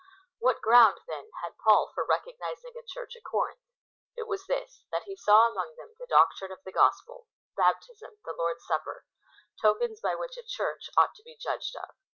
// Wliat ground, then, had Paul for recognising a Church at Corinth ? It was this : that he saw among them the doc trine of the gospel, baptism, the Lord's Supper — tokens by which a Church ought to be judged of.